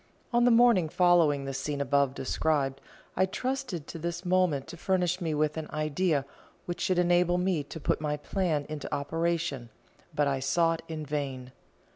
On the morning following the scene above described, I trusted to this moment to furnish me with an idea which should enable me to put my plan into operation, but I sought in vain.